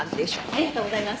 ありがとうございます。